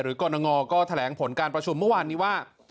กรณงก็แถลงผลการประชุมเมื่อวานนี้ว่า